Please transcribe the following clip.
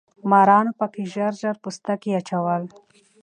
مارانو پکې ژر ژر پوستکي اچول.